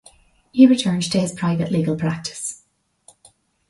He returned to his private legal practice.